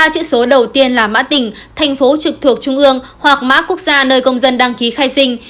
ba chữ số đầu tiên là mã tỉnh thành phố trực thuộc trung ương hoặc mã quốc gia nơi công dân đăng ký khai sinh